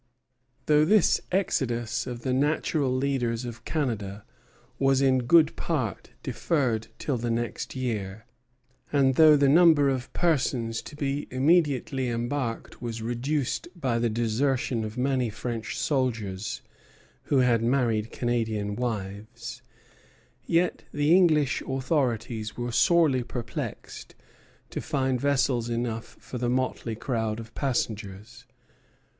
Though this exodus of the natural leaders of Canada was in good part deferred till the next year, and though the number of persons to be immediately embarked was reduced by the desertion of many French soldiers who had married Canadian wives, yet the English authorities were sorely perplexed to find vessels enough for the motley crowd of passengers.